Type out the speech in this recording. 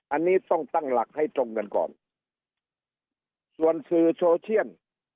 อันนี้ต้องตั้งหลักให้ตรงกันก่อนส่วนสื่อโซเชียน